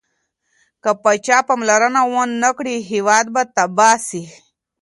که پاچا پاملرنه ونه کړي، هیواد به تباه سي.